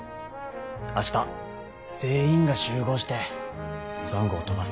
明日全員が集合してスワン号を飛ばす。